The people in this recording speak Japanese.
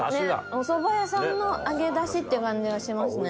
おそば屋さんの揚げ出しっていう感じがしますね。